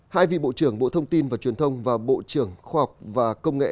hai vị bộ trưởng bộ thông tin và truyền thông và bộ trưởng khoa học và công nghệ